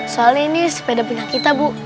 soalnya ini sepeda punya kita bu